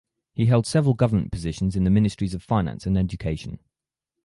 He held several government positions in the Ministries of Finance and Education.